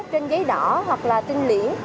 trên giấy đỏ hoặc là trên liễng